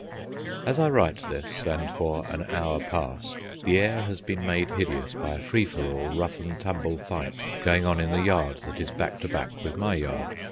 As I write this, and for an hour past, the air has been made hideous by a free for all, rough and tumble fight going on in the yard that is back to back with my yard.